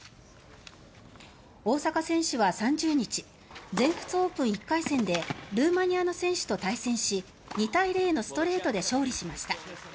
大坂選手は３０日全仏オープン１回戦でルーマニアの選手と対戦し２対０のストレートで勝利しました。